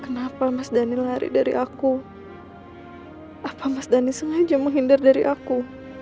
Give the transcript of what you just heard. kenapa mas dhani lari dari aku apa mas dhani sengaja menghindar dari aku